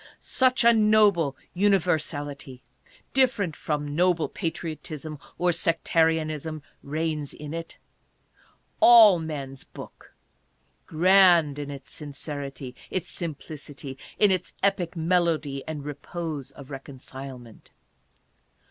... Such a noble universality, different from noble patriotism or sectarianism, reigns in it. ... All men's Book !... Grand in its sincerity, its simplicity, in its epic melody and repose of reconcilement.